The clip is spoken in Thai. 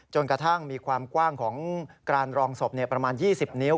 กระทั่งมีความกว้างของการรองศพประมาณ๒๐นิ้ว